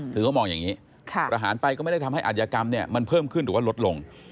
ถือว่ามองอย่างนี้ประหารไปก็ไม่ได้ทำให้อาจยากรรมมันเพิ่มขึ้นหรือลดลง